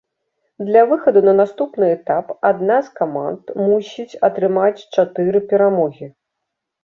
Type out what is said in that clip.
Для выхаду на наступны этап адна з каманд мусіць атрымаць чатыры перамогі.